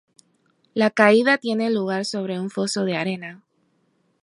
La caída tiene lugar sobre un foso de arena.